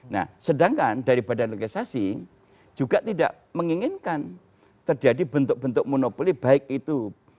nah sedangkan dari badan legislasi juga tidak menginginkan terjadi bentuk bentuk monopoli baik itu